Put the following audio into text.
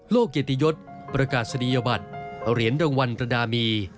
โลกเกตยศประกาศศรียบัตรเหรียญดังวันตระดามี